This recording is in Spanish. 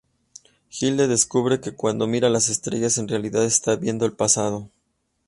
Hilde descubre que cuando mira las estrellas, en realidad está viendo el pasado.